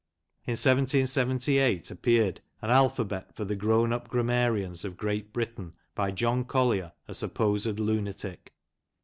In 1778 appeared "An Alphabet for the Grown up Grammarians of Great Britain. By John Collier, a Supposed Lunatic."